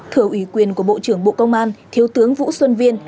thưa ủy quyền của bộ trưởng bộ công an thiếu tướng vũ xuân viên